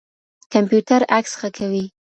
کمپيوټر عکس ښه کوي.